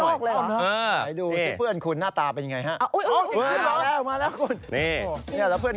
ไหนดูเพื่อนคุณหน้าตาเป็นยังไงก็มาแล้วคุณ